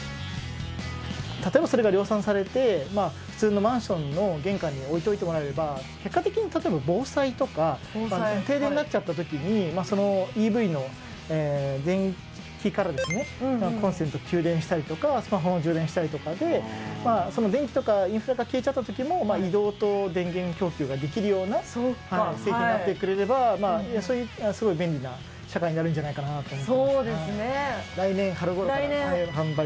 例えばそれが量産されて普通のマンションの玄関に置いといてもらえれば結果的に例えば防災とか停電になっちゃったときにそのＥＶの電気からコンセント給電したりとかスマホの充電したりとかでまあその電気とかインフラが消えちゃったときも移動と電源供給ができるような製品になってくれればすごい便利な社会になるんじゃないかなと思いますあっ